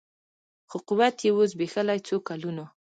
خو قوت یې وو زبېښلی څو کلونو